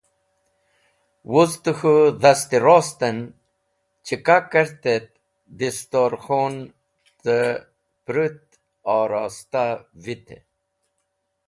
Woz tẽ k̃hũ dhast-e rost en chaqa kert et distorkhun tẽ pũrũt oristah vit.